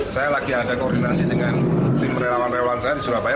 saya lagi ada koordinasi dengan tim relawan relawan saya di surabaya